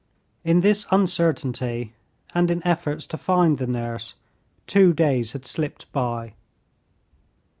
In this uncertainty, and in efforts to find the nurse, two days had slipped by.